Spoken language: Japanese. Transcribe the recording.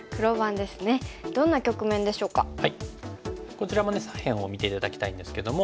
こちらもね左辺を見て頂きたいんですけども。